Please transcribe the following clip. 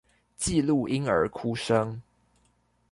記錄嬰兒哭聲